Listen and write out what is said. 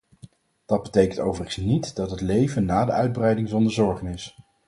Dat betekent overigens niet dat het leven na de uitbreiding zonder zorgen is.